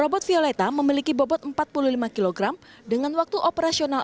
robot violeta memiliki bobot empat puluh lima kilogram dengan waktu operasional enam jam